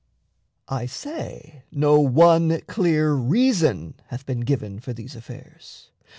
I say, no one clear reason hath been given For these affairs.